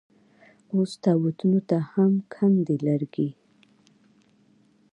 اوس تابوتونو ته هم کم دي لرګي